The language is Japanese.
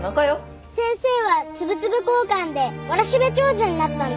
先生はつぶつぶこーかんでわらしべ長者になったんだぞ。